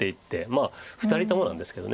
まあ２人ともなんですけど。